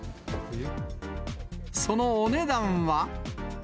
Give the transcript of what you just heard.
そのお値段は。